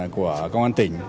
của công an tỉnh